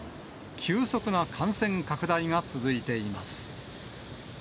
急速な感染拡大が続いています。